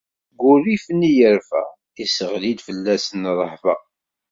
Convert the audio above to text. Seg wurrif-nni yerfa, isseɣli-d fell-asen rrehba.